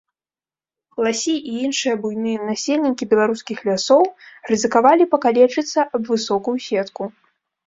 Ласі і іншыя буйныя насельнікі беларускіх лясоў рызыкавалі пакалечыцца аб высокую сетку.